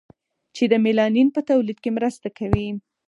چې د میلانین په تولید کې مرسته کوي.